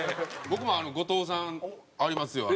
僕も後藤さんありますよ。